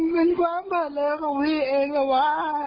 เป็นความเผ่าเร้อของพี่เองล่ะวะ